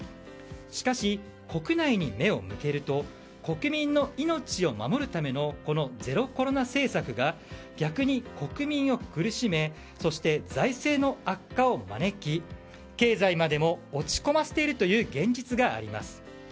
しかし、国内に目を向けると国民の命を守るためのゼロコロナ政策が逆に国民を苦しめそして、財政の悪化を招き経済までも落ち込ませているという現実があります。